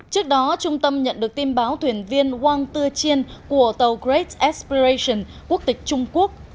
trước đó trung tâm nhận được tin báo thuyền viên wang tzu chien của tàu great aspiration quốc tịch trung quốc